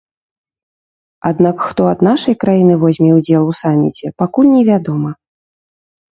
Аднак хто ад нашай краіны возьме ўдзел у саміце, пакуль невядома.